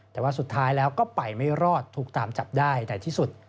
แต่ว่าสุดท้ายแล้วก็ไปไม่รอดถูกตามจับได้ในที่สุด